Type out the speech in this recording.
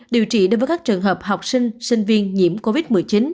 điều trị đối với các trường hợp học sinh sinh viên nhiễm covid một mươi chín